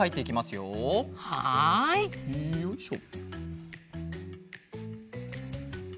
よいしょ。